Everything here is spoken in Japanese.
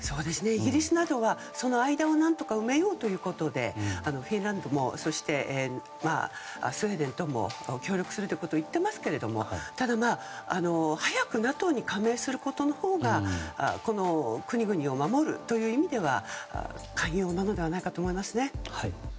イギリスなどはその間を何とか埋めようということでフィンランドもそして、スウェーデンとも協力するということを言ってますけどもただ、早くＮＡＴＯに加盟することのほうがこの国々を守るという意味では肝要なのではないかと思いますね。